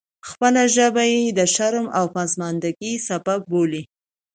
خپله ژبه یې د شرم او پسماندګۍ سبب بولي.